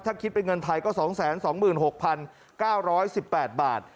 ถ้าคิดเป็นเงินไทยก็๒๒๖๙๑๘บาท